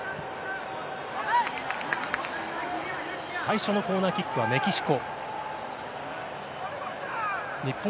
最初のコーナーキックはメキシコ。